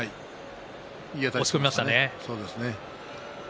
押し込みましたね。